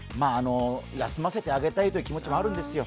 休ませてあげたいという気持ちもあるんですよ。